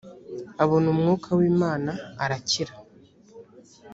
abona umwuka w ‘imana arakira.